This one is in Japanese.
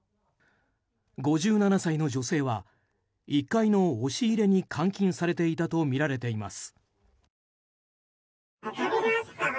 ５７歳の女性は１階の押し入れに監禁されていたとみられています。